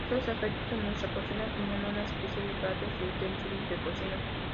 Ciertos efectos en nuestra cocina tenían una especie de platos y utensilios de cocina.